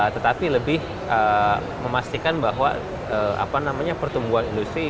tetapi lebih memastikan bahwa pertumbuhan industri berada dalam industri